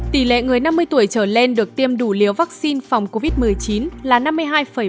tỷ lệ người năm mươi tuổi trở lên được tiêm đủ liều vaccine phòng covid một mươi chín là năm mươi hai bảy mươi